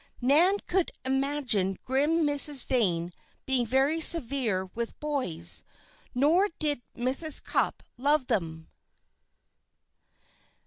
Nan could imagine grim Miss Vane being very severe with boys; nor did Mrs. Cupp love them.